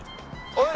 あれ？